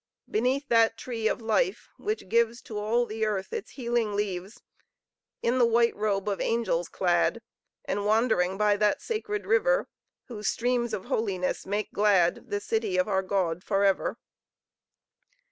Beneath that tree of life which gives To all the earth its healing leaves In the white robe of angels clad, And wandering by that sacred river, Whose streams of holiness make glad The city of our God forever!